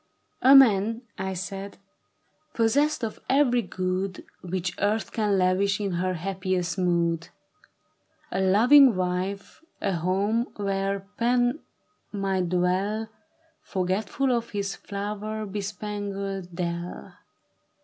" A man," I said, " possessed of every good Which earth can laWsh in her happiest mood ; A lo\Tng wife, a home where Pan might dwell Forgetful of his flower bespangled dell.